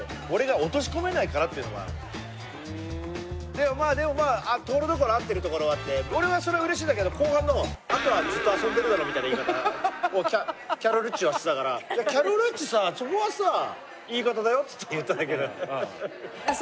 でもまあでもまあところどころ合ってるところはあって俺はそれはうれしいんだけど後半の「あとはずっと遊んでるだろ」みたいな言い方をキャロルっちはしてたからキャロルっちさそこはさ言い方だよっつって言った。